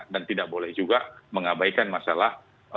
dan tidak boleh juga mengabaikan masalah